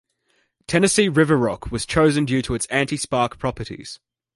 Tennessee river rock was chosen due to its anti spark properties.